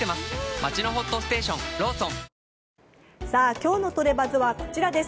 今日のトレバズはこちらです。